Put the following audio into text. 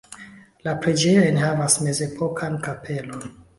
La preĝejo enhavas mezepokan kapelon.